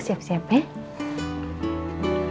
kalau gak jadi kamu lihat ratenting ku